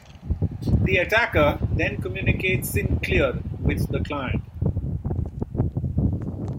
The attacker then communicates in clear with the client.